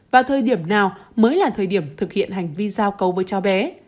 và thời điểm nào mới là thời điểm thực hiện hành vi giao cấu với cháu bé